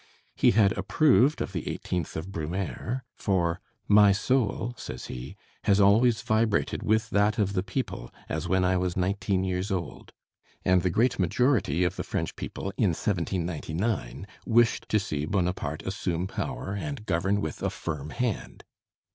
He had approved of the eighteenth of Brumaire: for "my soul," says he, "has always vibrated with that of the people as when I was nineteen years old;" and the great majority of the French people in 1799 wished to see Bonaparte assume power and govern with a firm hand.